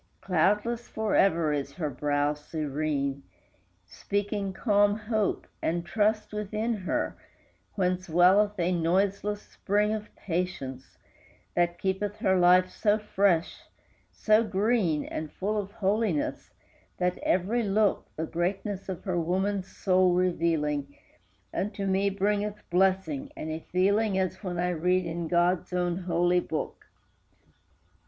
Cloudless forever is her brow serene, Speaking calm hope and trust within her, whence Welleth a noiseless spring of patience, That keepeth all her life so fresh, so green And full of holiness, that every look, The greatness of her woman's soul revealing, Unto me bringeth blessing, and a feeling As when I read in God's own holy book.